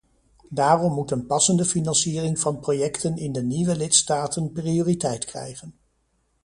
Daarom moet een passende financiering van projecten in de nieuwe lidstaten prioriteit krijgen.